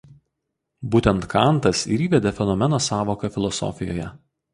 Būtent Kantas ir įvedė fenomeno sąvoką filosofijoje.